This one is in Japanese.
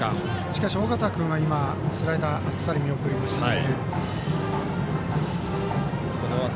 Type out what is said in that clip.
しかし、尾形君は今スライダーあっさり見送りましたね。